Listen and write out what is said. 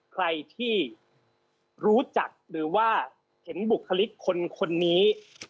ใครที่รู้จักหรือว่าเห็นบุคลิกคนนี้